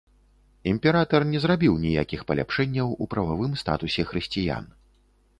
Імператар не зрабіў ніякіх паляпшэнняў у прававым статусе хрысціян.